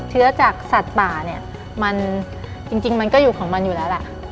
เชื้อจากสัตว์ป่าเนี่ยมันจริงมันก็อยู่ของมันอยู่แล้วแหละ